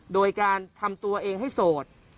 โดยการทำตัวเองให้โสด